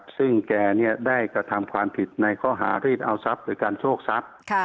ซึ่งแกได้กระทำความผิดในข้อหารีดเอาทรัพย์หรือการโชคทรัพย์